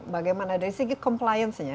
bagaimana dari segi compliance nya